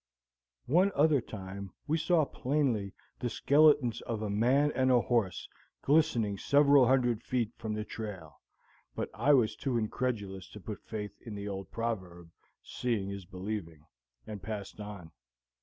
One other time we saw plainly the skeletons of a man and a horse glistening several hundred feet from the trail, but I was too incredulous to put faith in the old proverb, "Seeing is believing," and passed on.